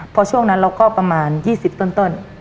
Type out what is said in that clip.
พอช่วงนั้นเราก็ประมาณ๒๐ต้น